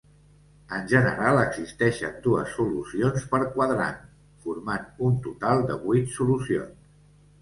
En general, existeixen dues solucions per quadrant, formant un total de vuit solucions.